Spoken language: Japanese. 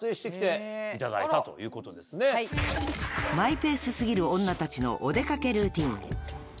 マイペース過ぎる女たちのお出かけルーティン